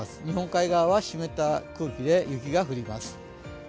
日本海側は湿った空気で雪が降ります。